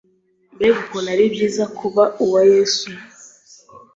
Mbega ukuntu ari byiza kuba uwa Yesu!